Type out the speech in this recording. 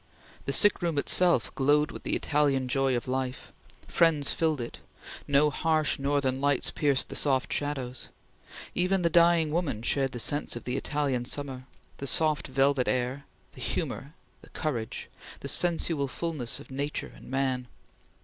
The sick room itself glowed with the Italian joy of life; friends filled it; no harsh northern lights pierced the soft shadows; even the dying women shared the sense of the Italian summer, the soft, velvet air, the humor, the courage, the sensual fulness of Nature and man.